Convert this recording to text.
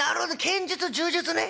剣術柔術ね。